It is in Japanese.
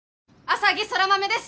浅葱空豆です